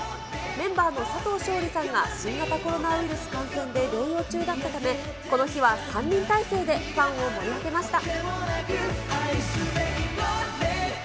メンバーの佐藤勝利さんが新型コロナウイルス感染で療養中だったため、この日は３人態勢でファンを盛り上げました。